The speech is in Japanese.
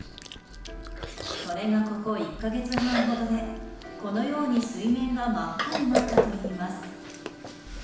それが、ここ１か月半ほどでこのように水面が真っ赤になったといいます。